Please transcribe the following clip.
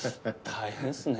大変っすね。